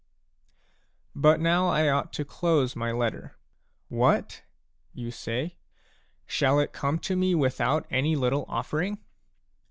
But now I ought to close my letter. " What ?" you say ;" shall it come to me without any little offering